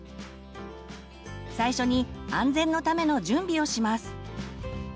最初に安全のための準備をします。